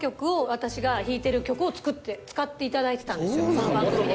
その番組で。